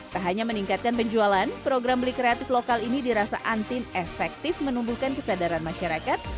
tak hanya meningkatkan penjualan program beli kreatif lokal ini dirasa antin efektif menumbuhkan kesadaran masyarakat